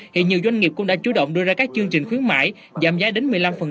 hiện nhiều doanh nghiệp cũng đã chú động đưa ra các chương trình khuyến mại giảm giá đến một mươi năm